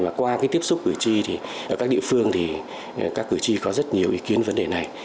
và qua cái tiếp xúc cử tri thì ở các địa phương thì các cử tri có rất nhiều ý kiến vấn đề này